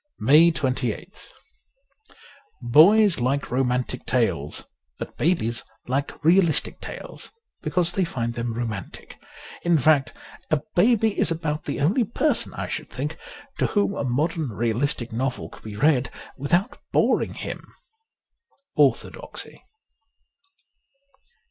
^ 161 MAY 28th BOYS like romantic tales ; but babies like realistic tales — because they find them romantic. In fact, a baby is about the only person, I should think, to whom a modern realistic novel could be read without boring him. ' Onhodoxy.